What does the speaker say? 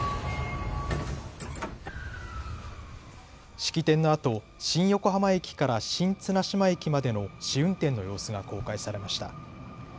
式典のあと新横浜駅から新綱島駅までの試運転の様子が公開されました。